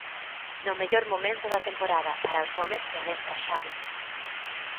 No mellor momento da temporada para os homes que adestra Xavi.